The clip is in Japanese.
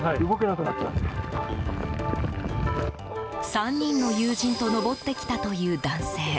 ３人の友人と登ってきたという男性。